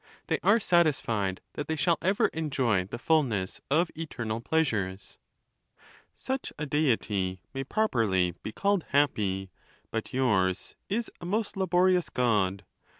They are satisfied that they shall ever enjoy the fulness of eternal pleasures. XX. Such a Deity may properly be called happy ; but yours is a most laborious God.